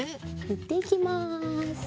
ぬっていきます。